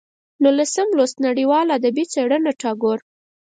نولسم لوست: نړیواله ادبي څېره ټاګور